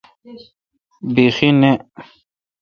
بیخی نہ۔